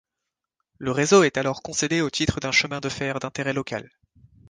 Le réseau est alors concédé au titre d'un chemin de fer d’intérêt local.